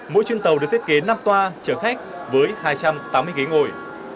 mỗi chuyến tàu được thiết kế năm toa chở khách với hai trăm tám mươi ghế ngồi